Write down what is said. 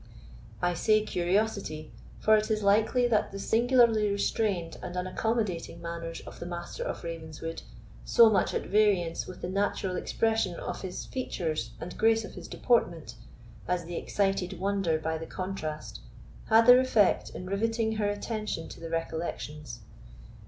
I say curiosity, for it is likely that the singularly restrained and unaccommodating manners of the Master of Ravenswood, so much at variance with the natural expression of his features and grace of his deportment, as they excited wonder by the contrast, had their effect in riveting her attention to the recollections.